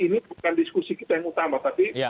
ini bukan diskusi kita yang utama tapi